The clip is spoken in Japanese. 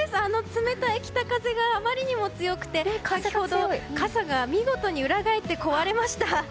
冷たい北風があまりにも強くて先ほど傘が見事に裏返って壊れました。